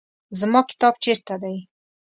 زما کتاب چیرته دی؟